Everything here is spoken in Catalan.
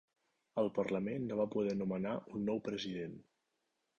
El Parlament no va poder nomenar un nou president.